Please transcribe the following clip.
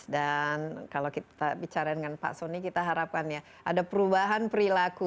dan kalau kita bicara dengan pak sony kita harapkan ya ada perubahan perilaku